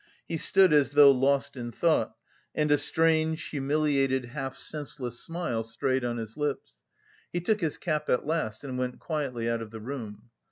He stood as though lost in thought, and a strange, humiliated, half senseless smile strayed on his lips. He took his cap at last and went quietly out of the room.